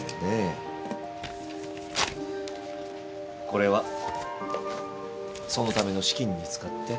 これはそのための資金に使って。